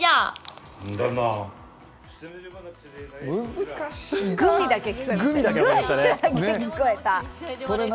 難しいな。